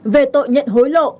về tội nhận hối lộ